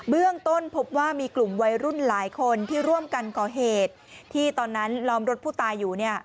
เรื่องต้นพบว่ามีกลุ่มวัยรุ่นหลายคนที่ร่วมกันก่อเหตุที่ตอนนั้นล้อมรถผู้ตายอยู่